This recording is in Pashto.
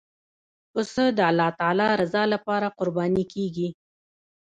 پسه د الله تعالی رضا لپاره قرباني کېږي.